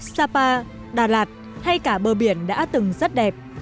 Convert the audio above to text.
sapa đà lạt hay cả bờ biển đã từng rất đẹp